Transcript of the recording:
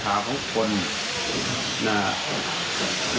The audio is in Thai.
สถาของคน